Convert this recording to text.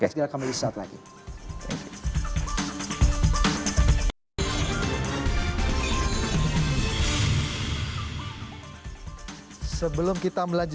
kami akan kembali saat lagi